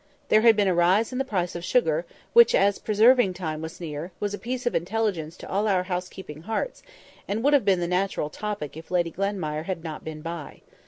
There had been a rise in the price of sugar, which, as preserving time was near, was a piece of intelligence to all our house keeping hearts, and would have been the natural topic if Lady Glenmire had not been by.